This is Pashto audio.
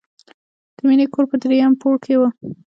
د مینې کور په دریم پوړ کې و